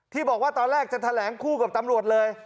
บอกว่าตอนแรกจะแถลงคู่กับตำรวจเลย